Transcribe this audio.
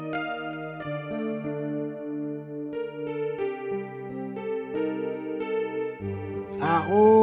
masak di bogor